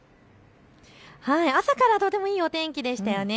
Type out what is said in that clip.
朝からとてもいいお天気でしたよね。